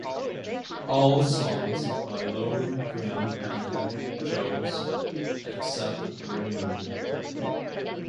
All songs by Lou Gramm and Mick Jones, except where noted.